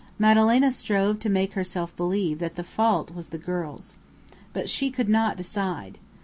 Madalena strove to make herself believe that the fault was the girl's. But she could not decide.